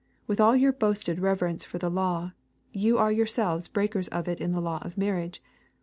With all your boasted reverence for the law, you are yourselves breakers of it in the law of marriage.